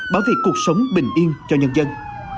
bảo vệ cuộc sống bình yên cho nhân dân